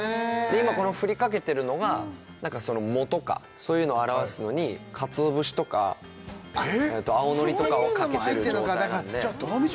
今このふりかけてるのが藻とかそういうの表すのにかつお節とか青のりとかをかけてる状態なんでどのみち